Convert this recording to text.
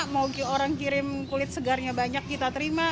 mau orang kirim kulit segarnya banyak kita terima